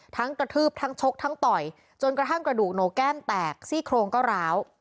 กระทืบทั้งชกทั้งต่อยจนกระทั่งกระดูกหนูแก้มแตกซี่โครงก็ร้าว